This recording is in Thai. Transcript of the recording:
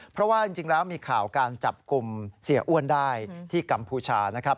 เพราะว่าจริงแล้วมีข่าวการจับกลุ่มเสียอ้วนได้ที่กัมพูชานะครับ